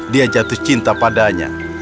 dia jatuh cinta padanya